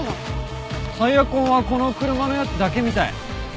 タイヤ痕はこの車のやつだけみたい。